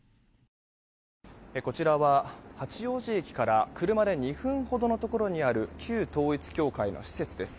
こちらは、八王子駅から車で２分ほどのところにある旧統一教会の施設です。